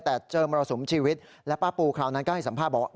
แต่เจอมรสุมชีวิตและป้าปูคราวนั้นก็ให้สัมภาษณ์บอกว่า